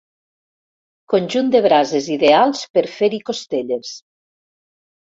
Conjunt de brases ideals per fer-hi costelles.